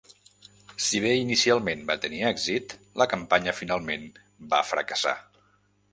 Si bé inicialment va tenir èxit, la campanya finalment va fracassar.